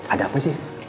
ada apa sih